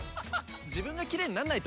自分がキレイになんないと。